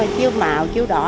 chiếu màu chiếu đỏ